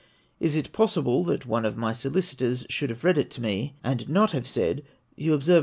Is it possible tliat one of my solicitors should have read it to me and not have said, " You observe.